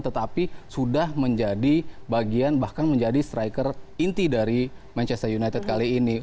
tetapi sudah menjadi bagian bahkan menjadi striker inti dari manchester united kali ini